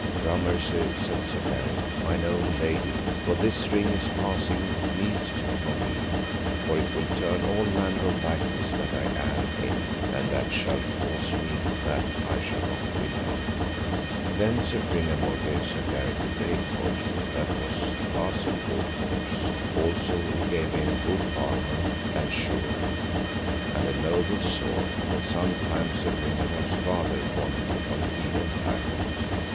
Gramercy, said Sir Gareth, mine own lady, for this ring is passing meet for me, for it will turn all manner of likeness that I am in, and that shall cause me that I shall not be known. Then Sir Gringamore gave Sir Gareth a bay courser that was a passing good horse; also he gave him good armour and sure, and a noble sword that sometime Sir Gringamore's father won upon an heathen tyrant.